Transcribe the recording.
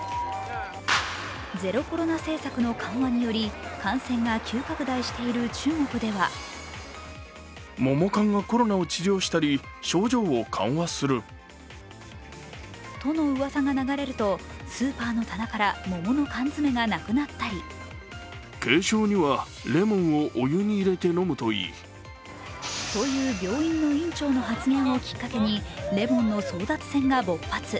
ゼロコロナ政策の緩和により感染が急拡大している中国ではとのうわさが流れると、スーパーの棚から桃の缶詰がなくなったりという病院の院長の発言をきっかけにレモンの争奪戦が勃発。